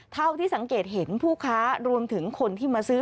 เท่าที่สังเกตเห็นผู้ค้ารวมถึงคนที่มาซื้อ